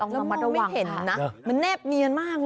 ต้องมาระมัดระวังค่ะมันแนบเนียนมากเลยค่ะ